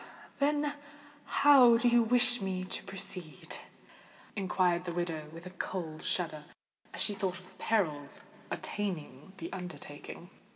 "Then how do you wish me to proceed?" inquired the widow, with a cold shudder, as she thought of the perils attending the undertaking.